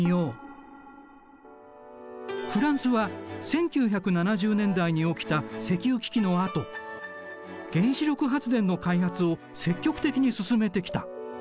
フランスは１９７０年代に起きた石油危機のあと原子力発電の開発を積極的に進めてきた。